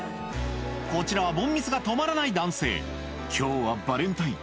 こちらは凡ミスが止まらない男性「今日はバレンタイン」